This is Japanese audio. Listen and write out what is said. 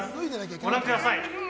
ご覧ください。